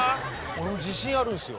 僕も自信あるんですよ